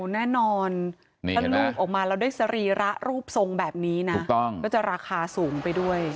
แน่นอนถ้าลูกออกมาแล้วได้สรีระรูปทรงแบบนี้นะก็จะราคาสูงไปด้วย